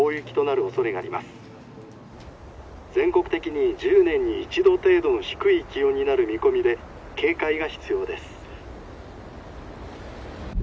全国的に１０年に１度程度の低い気温になる見込みで警戒が必要です」。